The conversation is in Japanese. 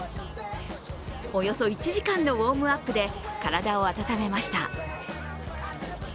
およそ１時間のウォームアップで体を温めました。